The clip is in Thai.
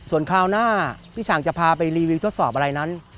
ส่วนคราวหน้าพี่ฉ่างจะพาไปรีวิวทดสอบอะไรนั้น